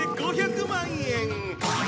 ５００万！？